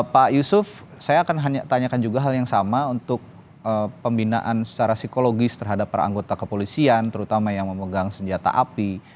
pak yusuf saya akan tanyakan juga hal yang sama untuk pembinaan secara psikologis terhadap para anggota kepolisian terutama yang memegang senjata api